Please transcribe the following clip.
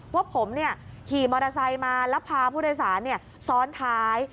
ว่าผมขี่มอเตอร์ไซค์มาแล้วพาผู้โดยสารซ้อนท้าย